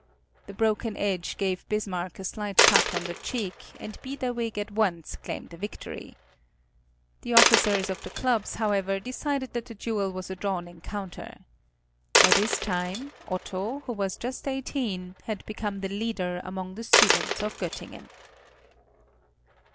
The broken edge gave Bismarck a slight cut on the cheek, and Biederwig at once claimed a victory. The officers of the clubs, however, decided that the duel was a drawn encounter. By this time Otto, who was just eighteen, had become the leader among the students of Göttingen.